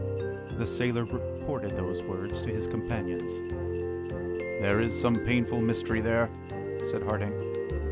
The sailor reported these words to his companions. "There is some painful mystery there!" said Harding.